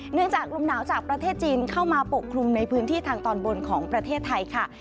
จากลมหนาวจากประเทศจีนเข้ามาปกคลุมในพื้นที่ทางตอนบนของประเทศไทยค่ะ